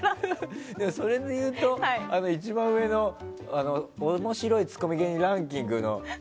それで言うと面白いツッコミ芸人ランキング。